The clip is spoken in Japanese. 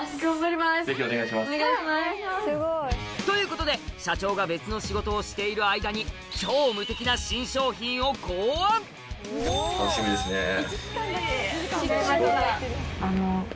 ということで社長が別の仕事をしている間に楽しみですね。